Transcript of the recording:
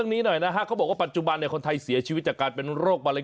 ในฐานะคนที่เป็นพ่อ